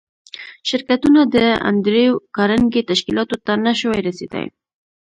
شرکتونه د انډریو کارنګي تشکیلاتو ته نشوای رسېدای